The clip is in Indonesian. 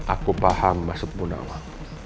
aku paham maksud bu nawang